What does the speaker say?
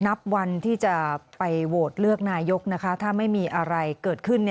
นับวันที่จะไปโหวตเลือกนายกถ้าไม่มีอะไรเกิดขึ้น